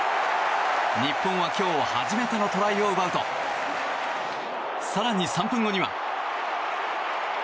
日本は今日初めてのトライを奪うと更に３分後には。